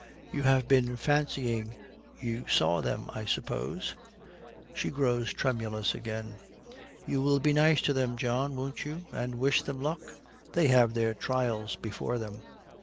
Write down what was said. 'You have been fancying you saw them, I suppose.' She grows tremulous again. 'You will be nice to them, John, won't you, and wish them luck? They have their trials before them.'